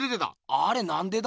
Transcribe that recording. あれなんでだ？